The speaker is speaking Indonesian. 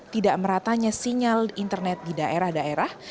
tidak meratanya sinyal internet di daerah daerah